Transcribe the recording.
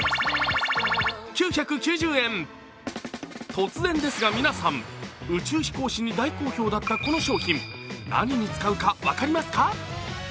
突然ですが皆さん、宇宙飛行士に大好評だったこの商品、何に使うか分かりますか？